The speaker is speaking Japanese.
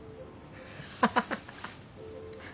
ハハハ！